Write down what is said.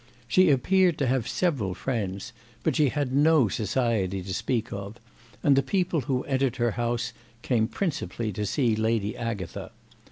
She appeared to have several friends, but she had no society to speak of, and the people who entered her house came principally to see Lady Agatha.